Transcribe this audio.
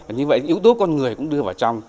như vậy yếu tố con người cũng đưa vào trong